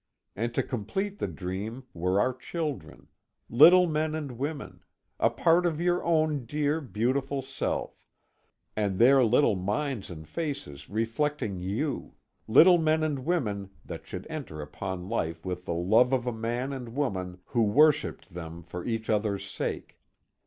And to complete the dream were our children, little men and women; a part of your own dear, beautiful self; their little minds and faces reflecting you; little men and women that should enter upon life with the love of a man and woman who worshipped them for each other's sake.